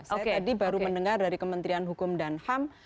saya tadi baru mendengar dari kementerian hukum dan ham